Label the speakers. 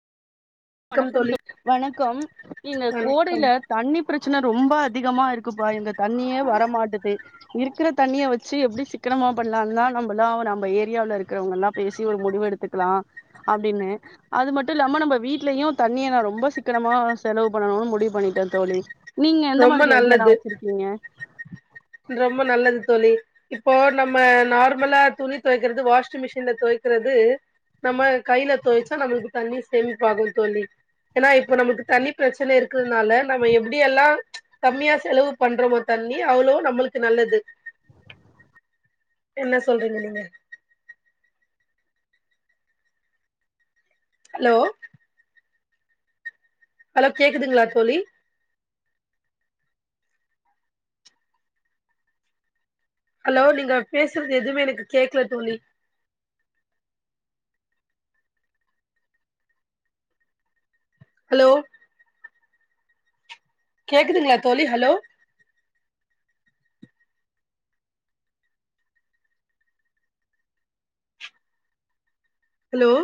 Speaker 1: க்கம்
Speaker 2: வணக்கம்
Speaker 1: தோழி
Speaker 2: தோ வணக்கம் இந்த
Speaker 1: வணக்கம்
Speaker 2: கோடைல தண்ணி பிரச் சன ரொம்ப அதிகமா இருக்குப்பா இங்க தண்ணியே வரமாட்டது இருக்குற தண்ணிய வச்சி எப்பிடி சிக்கனமா பண்லான்தா நம்மல்லா நம்ம ஏரியால இருக்குறவங்கல்லா பேசி ஒரு முடிவு எடுத்துக்கலா அப்டின்னு அது மட்டுல்லாம நம்ப வீட் லயு தண்ணிய நா ரொம்ப சிக்கனமா செலவு பண்ணணுன் முடிவு பண்ணிட்ட தோழி நீங்க எந்த
Speaker 1: ரொம்ப
Speaker 2: மாதிரி ஐடியாலா
Speaker 1: நல்லது
Speaker 2: வச்சிருக்கிங்க
Speaker 1: ரொம்ப நல்லது தோழி இப்ப நம்ம நார்மலா துணி தொய்க்கறது வாஷிங் மெஷின்ல தொய்க்கறது நம்ம கைல தொய்ச்சா நம்மளுக்கு தண்ணி சேமிப்பாகு தோழி ஏனா இப்போ நமக்கு தண்ணி பிரச்சன இருக்கிறதுனால நம்ம எப்படி எல்லா கம்மியா செலவு பண்றோமோ தண்ணி அவ்ளோ நம்மளுக்கு நல்லது என்ன சொல்றிங்க நீங்க ஹலோ ஹலோ கேக்குதுங்ளா தோழி ஹலோ நீங்க பேசுறது எதுமே எனக்கு கேக்கல தோழி ஹலோ கேக்குதுங்ளா தோழி ஹலோ ஹலோ